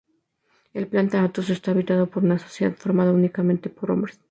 El planeta Athos está habitado por una sociedad formada únicamente por hombres.